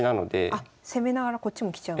あっ攻めながらこっちも来ちゃう。